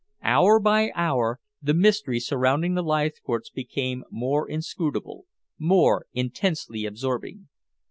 Hour by hour the mystery surrounding the Leithcourts became more inscrutable, more intensely absorbing.